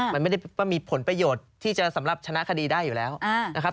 มันไม่ได้ว่ามีผลประโยชน์ที่จะสำหรับชนะคดีได้อยู่แล้วนะครับ